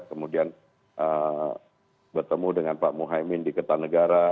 kemudian bertemu dengan pak muhyamin di ketanegara